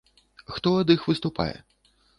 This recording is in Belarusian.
Хто ад іх выступае?